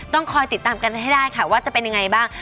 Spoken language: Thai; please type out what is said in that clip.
ต้องคอยติดตามกันให้ได้ค่ะว่าจะเป็นยังไงบ้าง